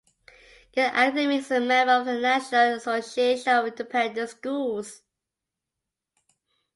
Gann Academy is a member of the National Association of Independent Schools.